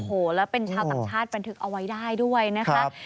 โอ้โหแล้วเป็นชาวต่างชาติบันทึกเอาไว้ได้ด้วยนะคะ